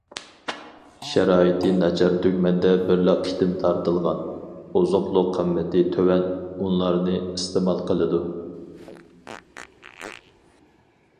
شارائىتى ناچار تۈگمەندە بىرلا قېتىم تارتىلغان، ئوزۇقلۇق قىممىتى تۆۋەن ئۇنلارنى ئىستېمال قىلىدۇ.